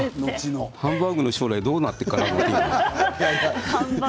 ハンバーグの将来どうなっていくかな。